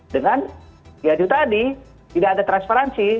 dengan diadu tadi tidak ada transparansi